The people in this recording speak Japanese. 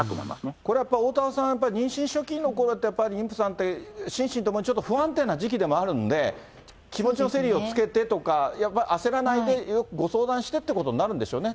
これはやっぱり、おおたわさん、妊娠初期のやっぱり妊婦さんって、心身ともにちょっと不安定な時期でもあるんで、気持ちの整理をつけてとか、焦らないで、よくご相談してということになるんでしょうね。